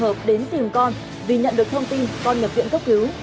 trong bệnh viện có ba trường con vì nhận được thông tin con nhập viện cấp cứu